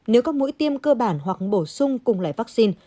nếu các mũi tiêm cơ bản hoặc bổ sung cùng loại vaccine